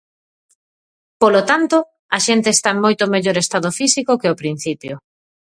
Polo tanto, a xente está en moito mellor estado físico que ao principio.